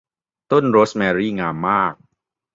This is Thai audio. ต้นโรสแมรี่งามมาก